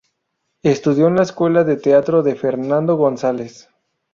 Estudió en la "Escuela de Teatro de Fernando González".